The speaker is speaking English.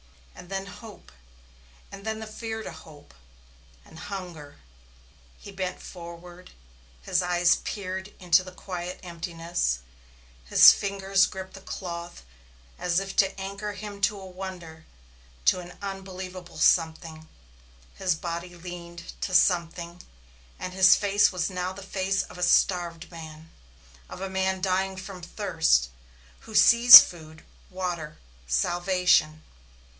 And then hope and then the fear to hope. And hunger. He bent forward, his eyes peered into the quiet emptiness, his fingers gripped the cloth as if to anchor him to a wonder, to an unbelievable something; his body leaned to something and his face now was the face of a starved man, of a man dying from thirst, who sees food, water, salvation.